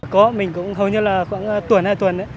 có mình cũng hầu như là khoảng tuần hay tuần